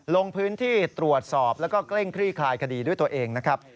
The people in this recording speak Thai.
ลงพื้นที่ตรวจสอบแล้วก็เกร่งคลี่คลายคดีด้วยตัวเองนะครับ